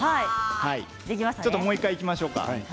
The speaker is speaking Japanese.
もう１回いきましょうか。